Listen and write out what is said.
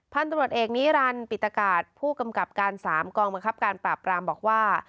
พันธุ์ตำรวจเอกนิรันดิปิตกาศผู้กำกับการ๓กองบังคับการปราบปรามบอกว่า